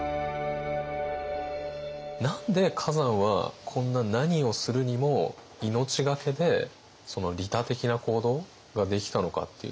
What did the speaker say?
何で崋山はこんな何をするにも命懸けで利他的な行動ができたのかっていう。